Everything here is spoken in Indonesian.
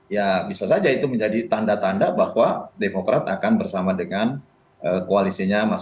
ya bisa saja itu menjadi tanda tanda bahwa demokrat akan bersama dengan koalisinya mas